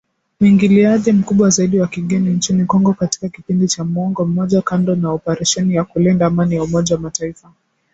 Uingiliaji mkubwa zaidi wa kigeni nchini Congo katika kipindi cha muongo mmoja kando na operesheni ya kulinda Amani ya Umoja wa Mataifa